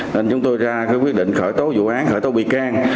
nên chúng tôi ra quyết định khởi tố vụ án khởi tố bị can